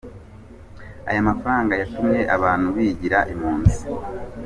Ayo mafaranga yatumye abantu bigira impunzi.